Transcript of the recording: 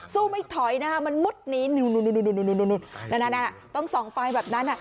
สู้ไม่ถอยแน่มันวดนีดนรดต้องส่องไฟแบบนั้น